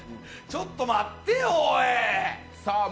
ちょっと待ってよ、おい！